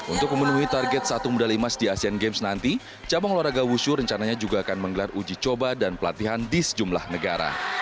untuk memenuhi target satu medali emas di asean games nanti cabang olahraga wushu rencananya juga akan menggelar uji coba dan pelatihan di sejumlah negara